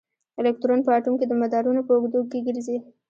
الکترون په اټوم کې د مدارونو په اوږدو کې ګرځي.